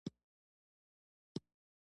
د چا بشري حقوق تر پښو لاندې نه شي.